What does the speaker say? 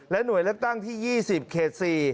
หน่วยเลือกตั้งที่๒๐เขต๔